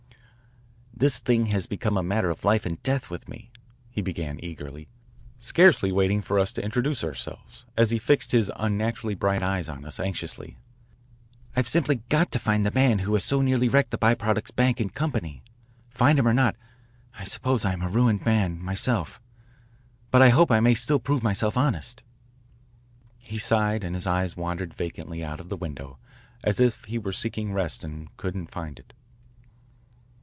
"This thing has become a matter of life and death with me," he began eagerly, scarcely waiting for us to introduce ourselves, as he fixed his unnaturally bright eyes on us anxiously. "I've simply got to find the man who has so nearly wrecked the By Products Bank and Company. Find him or not, I suppose I am a ruined man, myself, but I hope I may still prove myself honest." He sighed and his eyes wandered vacantly out of the window as if he were seeking rest and could not find it.